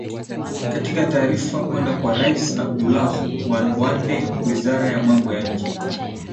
katika taarifa kwenda kwa rais abdullah wande wizara ya mambo ya nje